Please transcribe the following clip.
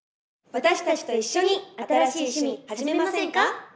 私たちと一緒に新しい趣味はじめませんか？